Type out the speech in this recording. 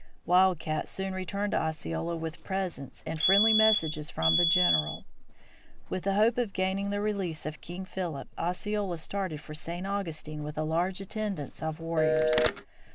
Wild Cat soon returned to Osceola with presents and friendly messages from the general. With the hope of gaining the release of King Philip, Osceola started for St. Augustine with a large attendance of warriors.